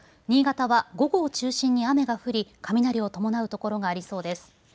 新潟は午後を中心に雨が降り、雷を伴うところがありそうです。